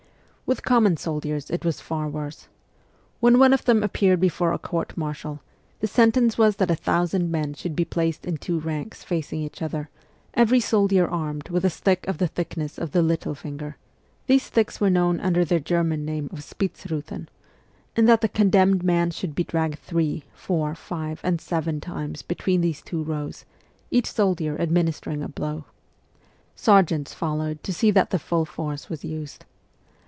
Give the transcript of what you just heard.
With common soldiers it was far worse. When one of them appeared before a court martial, the sentence was that a thousand men should be placed in two ranks facing each other, every soldier armed with a stick of the thickness of the little finger .(these sticks were known under their German name of Spitzrutheri) , and that the condemned man should be dragged three, four, five, and seven times between these two rows, each soldier adminstering a blow. Sergeants followed to see that full force was used.